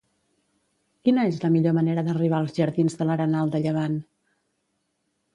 Quina és la millor manera d'arribar als jardins de l'Arenal de Llevant?